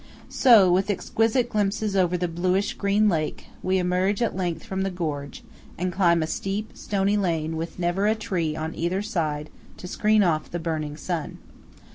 So, with exquisite glimpses over the bluish green lake, we emerge at length from the gorge, and climb a steep, stony lane with never a tree on either side to screen off the burning sun.